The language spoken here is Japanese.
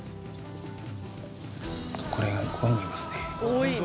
これがここにもいますね。